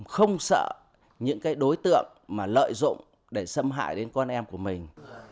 không sợ những cái đối tượng mà lợi dụng để xâm hại đến con em của mình